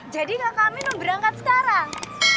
jadi kakak amin mau berangkat sekarang